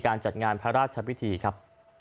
จัดงานพระราชพิธีครับ